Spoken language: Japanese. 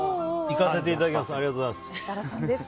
いかせていただきます。